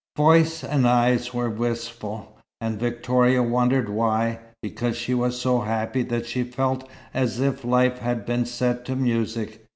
Voice and eyes were wistful, and Victoria wondered why, because she was so happy that she felt as if life had been set to music.